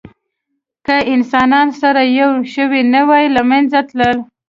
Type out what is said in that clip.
که انسانان سره یو شوي نه وی، له منځه تلل.